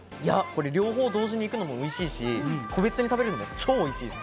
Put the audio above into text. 両方同時に行くのもおいしいし、個別に食べるのも超おいしいです。